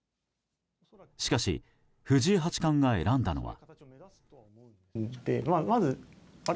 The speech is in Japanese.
しかし藤井八冠が選んだのは。